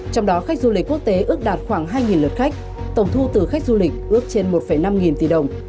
trong đó khách du lịch quốc tế ước đạt khoảng hai lượt khách tổng thu từ khách du lịch ước trên một năm nghìn tỷ đồng